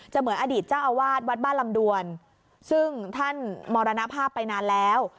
เหมือนอดีตเจ้าอาวาสวัดบ้านลำดวนซึ่งท่านมรณภาพไปนานแล้ว